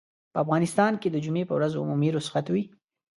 په افغانستان کې د جمعې پر ورځ عمومي رخصت وي.